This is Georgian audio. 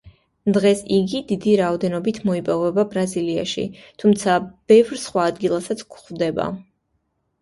დღეს იგი დიდი რაოდენობით მოიპოვება ბრაზილიაში, თუმცა ბევრ სხვა ადგილასაც გვხვდება.